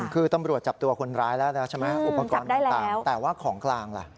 คือตำรวจจับตัวคนร้ายแล้วแล้วใช่ไหมอุปกรณ์ต่างแต่ว่าของกลางล่ะ